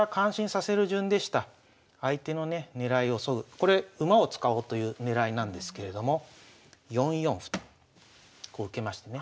これ馬を使おうという狙いなんですけれども４四歩とこう受けましてね。